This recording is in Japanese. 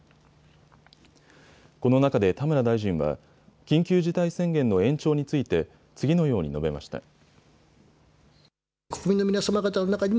この中で田村大臣は緊急事態宣言の延長について次のように述べました。